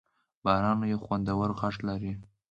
باران یو خوندور غږ لري.